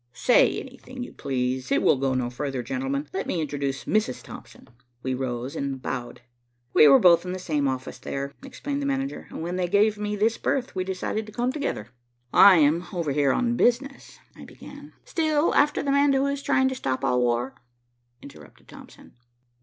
"Say anything you please; it will go no farther, gentlemen. Let me introduce Mrs. Thompson." We rose and bowed. "We were both in the same office there," explained the manager, "and when they gave me this berth we decided to come together." "I am over here on business," I began. "Still after the man who is trying to stop all war?" interrupted Thompson.